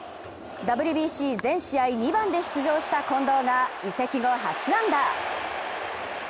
ＷＢＣ全試合、２番で出場した近藤が移籍後初安打。